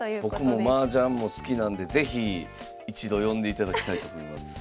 僕もマージャンも好きなんで是非一度呼んでいただきたいと思います。